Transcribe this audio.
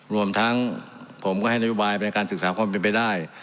รวมทั้งผมก็ให้นโยบายในการศึกษาความเป็นไปได้